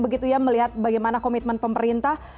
begitu ya melihat bagaimana komitmen pemerintah